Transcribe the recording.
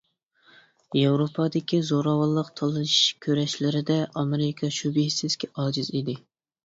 ياۋروپادىكى زوراۋانلىق تالىشىش كۈرەشلىرىدە، ئامېرىكا شۈبھىسىزكى ئاجىز ئىدى.